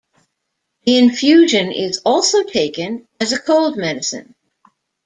The infusion is also taken as a cold medicine.